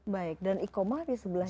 baik dan ikomah di sebelah kiri